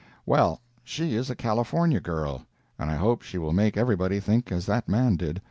Well, she is a California girl, and I hope she will make everybody think as that man did.